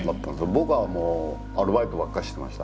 僕はもうアルバイトばっかりしてました。